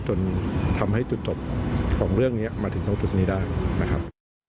จนทำให้จุดจบของเรื่องนี้มาถึงตรงจุดนี้ได้นะครับ